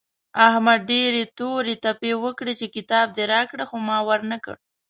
احمد ډېرې تورې تپې وکړې چې کتاب دې راکړه خو ما ور نه کړ.